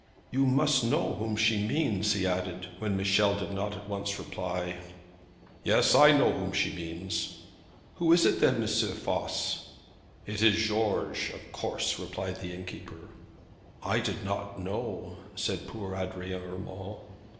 'You must know whom she means,' he added, when Michel did not at once reply. 'Yes; I know whom she means.' 'Who is it then, M. Voss?' 'It is George, of course,' replied the innkeeper. 'I did not know,' said poor Adrian Urmand.